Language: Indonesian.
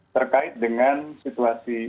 terkait dengan situasi